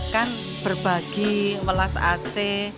kan berbagi melas ac